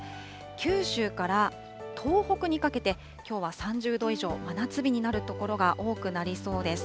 九州から東北にかけて、きょうは３０度以上、真夏日になる所が多くなりそうです。